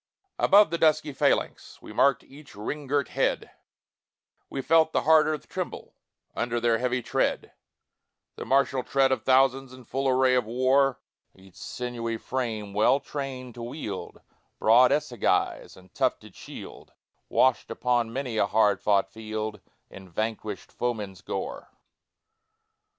Above the dusky phalanx We marked each ring girt head, We felt the hard earth tremble Under their heavy tread, The martial tread of thousands In full array of war Each sinewy frame well trained to wield Broad assegai and tufted shield, Washed upon many a hard fought field In vanquished foeman's gore.